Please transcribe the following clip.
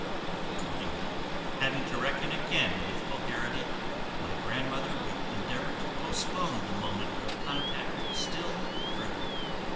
Accordingly, having to reckon again with vulgarity, my grandmother would endeavour to postpone the moment of contact still further.